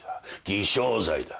偽証罪だ。